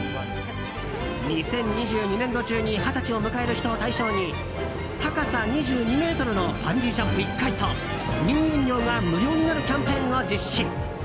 ２０２２年度中に二十歳を迎える人を対象に高さ２２ｍのバンジージャンプ１回と入園料が無料になるキャンペーンを実施。